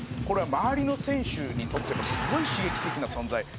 「これは周りの選手にとってもすごい刺激的な存在」